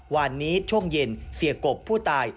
วันนี้ช่วงเย็นเสียกบผู้ตาย